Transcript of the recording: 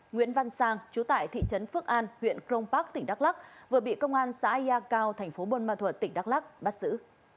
nguyễn văn sang chú tại thị trấn phước an huyện crong park tỉnh đắk lắc vừa bị công an xã ya cao thành phố buôn ma thuật tỉnh đắk lắc bắt giữ